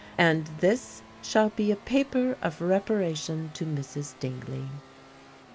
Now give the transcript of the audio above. And this shall be a paper of reparation to Mrs. Dingley.